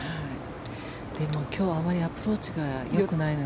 でも、今日あまりアプローチがよくないので。